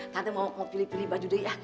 nanti mau pilih pilih baju deh ya